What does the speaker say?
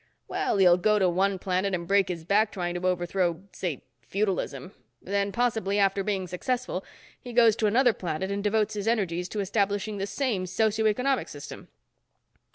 "Well, he'll go to one planet and break his back trying to overthrow, say, feudalism. Then, possibly after being successful, he goes to another planet and devotes his energies to establishing the same socio economic system."